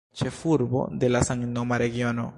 Ĉefurbo de la samnoma regiono.